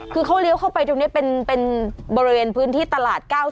คือเขาเลี้ยวเข้าไปตรงนี้เป็นบริเวณพื้นที่ตลาด๙๑